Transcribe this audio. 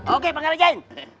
oke pangeran jin